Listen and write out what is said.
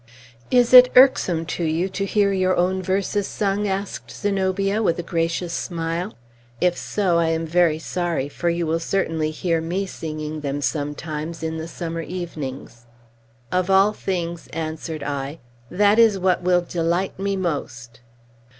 "Is it irksome to you to hear your own verses sung?" asked Zenobia, with a gracious smile. "If so, I am very sorry, for you will certainly hear me singing them sometimes, in the summer evenings." "Of all things," answered I, "that is what will delight me most."